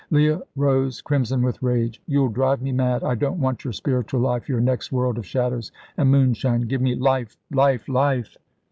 Leah rose, crimson with rage. "You'll drive me mad. I don't want your spiritual life, your next world of shadows and moonshine. Give me life life life!"